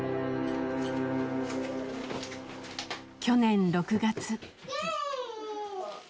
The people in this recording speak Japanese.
去年６月。